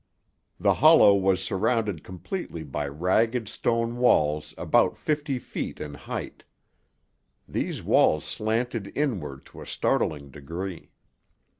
The hollow was surrounded completely by ragged stone walls about fifty feet in height. These walls slanted inward to a startling degree.